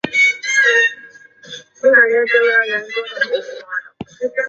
三月卒于琼。